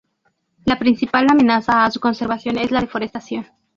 La principal amenaza a su conservación es la deforestación.